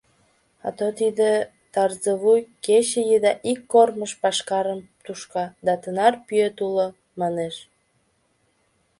Ато тиде Тарзывуй кече еда ик кормыж пашкарым тушка да тынар пӱет уло, манеш.